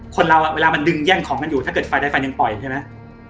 คนเราอะเวลามันดึงแย่งของกันอยู่ถ้าเกิดฝ่ายได้ฝ่ายนึงปล่อยใช่มั้ย